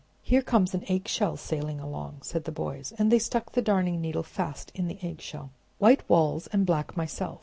"Here comes an eggshell sailing along!" said the boys; and they stuck the Darning Needle fast in the eggshell. "White walls, and black myself!